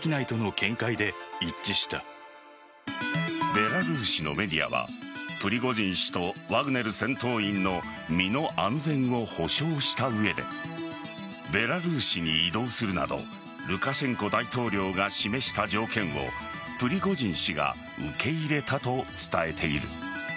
ベラルーシのメディアはプリゴジン氏とワグネル戦闘員の身の安全を保障した上でベラルーシに移動するなどルカシェンコ大統領が示した条件をプリゴジン氏が受け入れたと伝えている。